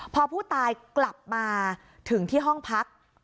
พอผู้ตายกลับมาถึงที่ห้องพัก